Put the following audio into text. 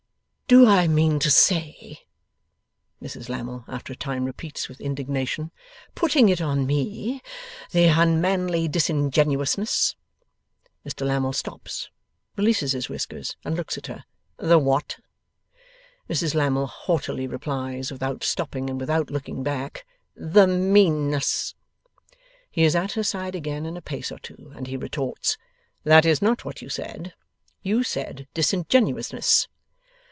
'Do I mean to say!' Mrs Lammle after a time repeats, with indignation. 'Putting it on me! The unmanly disingenuousness!' Mr Lammle stops, releases his whiskers, and looks at her. 'The what?' Mrs Lammle haughtily replies, without stopping, and without looking back. 'The meanness.' He is at her side again in a pace or two, and he retorts, 'That is not what you said. You said disingenuousness.